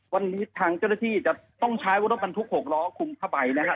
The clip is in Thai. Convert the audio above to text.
วันนี้ทางเจ้าหน้าที่จะต้องใช้รถบรรทุก๖ล้อคุมเข้าไปนะครับ